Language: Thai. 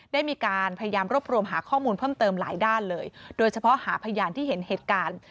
ได้มีการพยายามรวบรวมหาข้อมูลเพิ่มเติมหลายด้านเลยโดยเฉพาะหาพยานที่เห็นเหตุการณ์